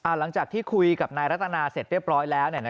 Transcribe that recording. หลังจากที่คุยกับนายรัตนาเสร็จเรียบร้อยแล้ว